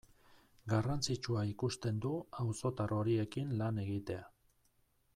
Garrantzitsua ikusten du auzotar horiekin lan egitea.